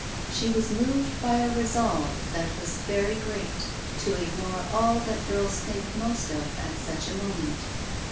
She was moved by a resolve that was very great to ignore all that girls think most of at such a moment.